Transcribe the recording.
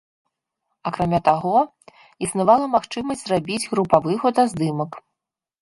Акрамя таго, існавала магчымасць зрабіць групавы фотаздымак.